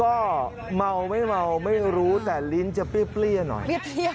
ก็เมาไม่เมาไม่รู้แต่ลิ้นจะเปรี้ยหน่อย